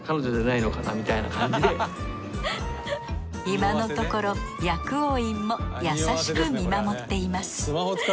今のところ薬王院も優しく見守っています